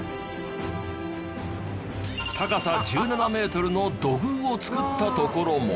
高さ１７メートルの土偶を造ったところも。